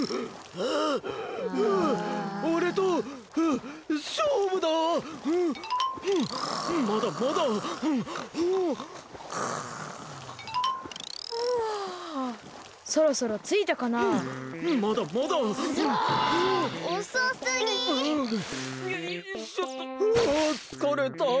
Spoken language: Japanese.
あつかれた！